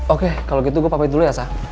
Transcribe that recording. oke kalau gitu gue pamit dulu ya sah